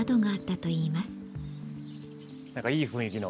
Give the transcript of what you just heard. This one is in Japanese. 何かいい雰囲気の。